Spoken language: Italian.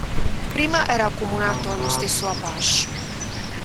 Prima era accomunato allo stesso Apache.